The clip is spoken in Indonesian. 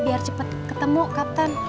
biar cepet ketemu kapten